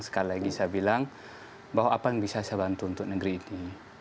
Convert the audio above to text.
sekali lagi saya bilang bahwa apa yang bisa saya bantu untuk negeri ini